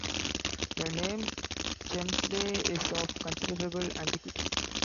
The Name "Chelmsley" is of considerable antiquity.